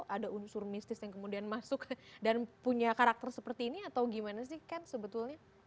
ada unsur mistis yang kemudian masuk dan punya karakter seperti ini atau gimana sih ken sebetulnya